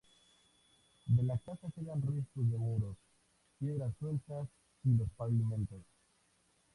De la casa quedan restos de muros, piedras sueltas y los pavimentos.